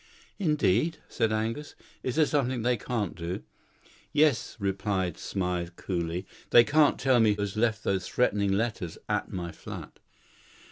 "Indeed?" said Angus; "is there something they can't do?" "Yes," replied Smythe coolly; "they can't tell me who left those threatening letters at my flat."